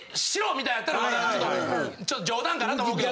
みたいやったらちょっと冗談かなと思うけど。